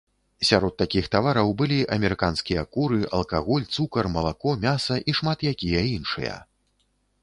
Сярод такіх тавараў былі амерыканскія куры, алкаголь, цукар, малако, мяса і шмат якія іншыя.